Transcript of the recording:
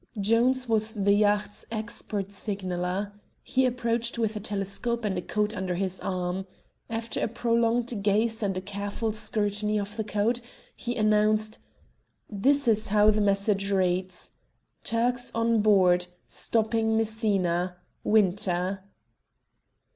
Jones was the yacht's expert signaller. He approached with a telescope and a code under his arm. After a prolonged gaze and a careful scrutiny of the code, he announced "This is how the message reads: 'Turks on board. Stopping Messina. WINTER.'"